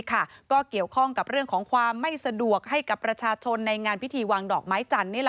ก็เกี่ยวข้องกับเรื่องของความไม่สะดวกให้กับประชาชนในงานพิธีวางดอกไม้จันทร์